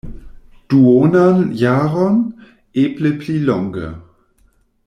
Duonan jaron, eble pli longe.